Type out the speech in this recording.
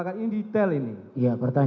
ada kita lakukan